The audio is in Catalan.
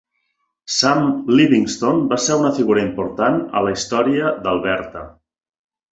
Sam Livingston va ser una figura important a la història d'Alberta.